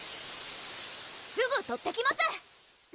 すぐ取ってきます